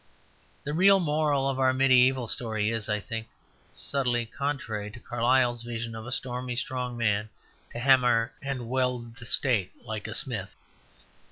The real moral of our mediæval story is, I think, subtly contrary to Carlyle's vision of a stormy strong man to hammer and weld the state like a smith.